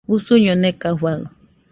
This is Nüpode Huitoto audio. Usuño nekafaɨ